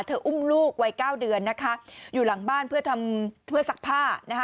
เธออุ้มลูกวัย๙เดือนนะคะอยู่หลังบ้านเพื่อสักผ้า